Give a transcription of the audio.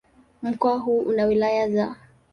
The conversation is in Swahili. Mkoa huu una wilaya za